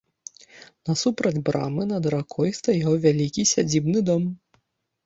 Насупраць брамы, над ракой, стаяў вялікі сядзібны дом.